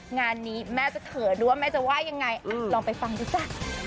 งานนี้แม่จะเขินด้วยว่าแม่จะว่ายังไงลองไปฟังดูจ้ะ